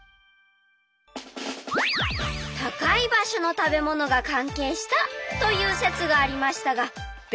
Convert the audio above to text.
高い場所の食べ物が関係したという説がありましたが別の説も。